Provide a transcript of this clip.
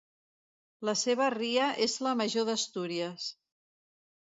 La seva ria és la major d'Astúries.